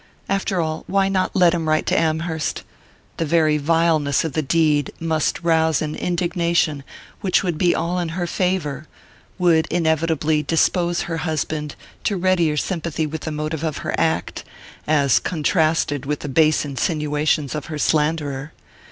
After all, why not let him write to Amherst? The very vileness of the deed must rouse an indignation which would be all in her favour, would inevitably dispose her husband to readier sympathy with the motive of her act, as contrasted with the base insinuations of her slanderer.